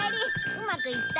うまくいった？